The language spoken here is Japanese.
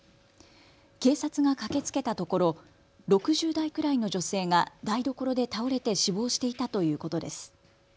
警察が駆けつけたところ、６０代くらいの女性が台所で倒れて死亡していたということです。